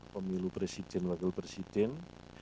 pemilu presiden wakil presiden